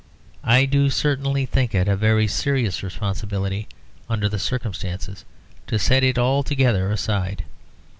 I do certainly think it a very serious responsibility under the circumstances to set it altogether aside.